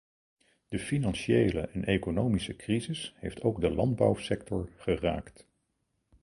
De financiële en economische crisis heeft ook de landbouwsector geraakt.